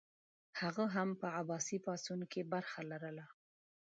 هغه هم په عباسي پاڅون کې برخه لرله.